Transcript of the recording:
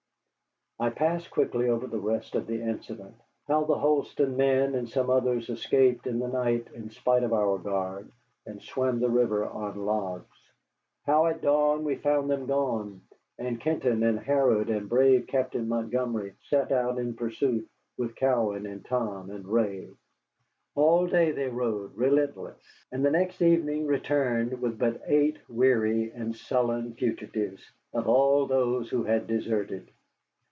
I pass quickly over the rest of the incident. How the Holston men and some others escaped in the night in spite of our guard, and swam the river on logs. How at dawn we found them gone, and Kenton and Harrod and brave Captain Montgomery set out in pursuit, with Cowan and Tom and Ray. All day they rode, relentless, and the next evening returned with but eight weary and sullen fugitives of all those who had deserted.